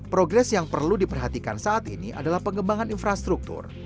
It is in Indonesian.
progres yang perlu diperhatikan saat ini adalah pengembangan infrastruktur